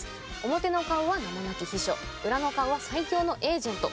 表の顔は名もなき秘書裏の顔は最強のエージェント。